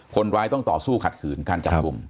คนร้ายต้องต่อสู้ขัดขืนการจับกลุ่ม